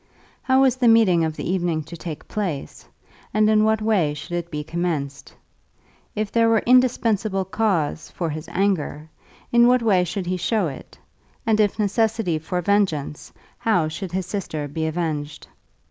How was the meeting of the evening to take place, and in what way should it be commenced? If there were indispensable cause for his anger, in what way should he show it, and if necessity for vengeance, how should his sister be avenged?